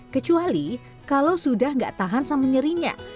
kecuali kalau sudah tidak tahan sama nyerinya